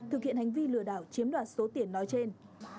thực hiện hành vi lừa đảo chiếm đoạt số tiền nói trên